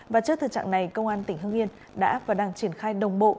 và trước thực trạng này công an tỉnh hưng yên đã và đang triển khai đồng bộ